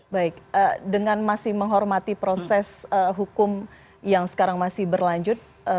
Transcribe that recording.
baik dengan masih menghormati proses hukum yang sekarang masih berlanjut